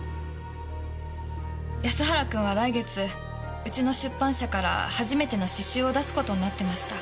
安原君は来月うちの出版社から初めての詩集を出すことになってました。